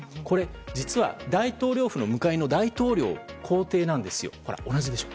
これは実は大統領府の向かいの大統領公邸なんですよ。